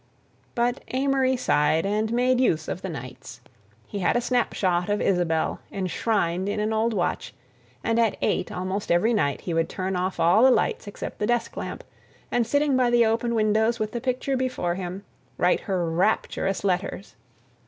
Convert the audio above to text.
But Amory sighed and made use of the nights. He had a snap shot of Isabelle, enshrined in an old watch, and at eight almost every night he would turn off all the lights except the desk lamp and, sitting by the open windows with the picture before him, write her rapturous letters.